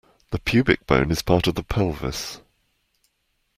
The pubic bone is part of the pelvis.